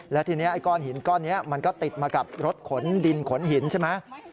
แล้วทีนี้ไอ้ก้อนหินก้อนนี้มันก็ติดมากับรถขนดินขนหินใช่ไหม